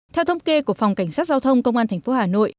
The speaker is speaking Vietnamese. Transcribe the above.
theo thông kê của phòng cảnh sát giao thông công an tp hà nội